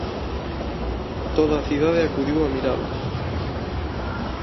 Toda a cidade acudiu a miralo".